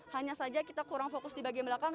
hanya saja kita kurang fokus di bagian belakang